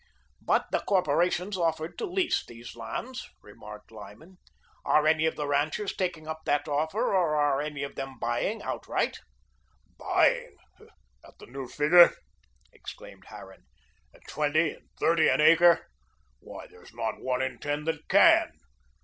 "But the corporations offered to lease these lands," remarked Lyman. "Are any of the ranchers taking up that offer or are any of them buying outright?" "Buying! At the new figure!" exclaimed Harran, "at twenty and thirty an acre! Why, there's not one in ten that CAN.